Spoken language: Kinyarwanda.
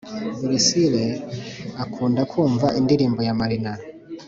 buresile akunda kumva indirimbo ya marina